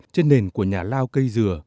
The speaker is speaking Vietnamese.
trên nền của nhà lào cây dừa